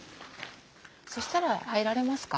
そしたら入られますか？